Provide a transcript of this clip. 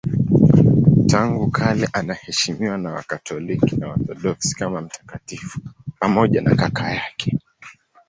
Tangu kale anaheshimiwa na Wakatoliki na Waorthodoksi kama mtakatifu pamoja na kaka yake.